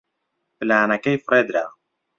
پلانەکەی فڕێ درا.